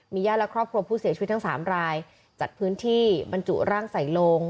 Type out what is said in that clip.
ญาติและครอบครัวผู้เสียชีวิตทั้งสามรายจัดพื้นที่บรรจุร่างใส่ลง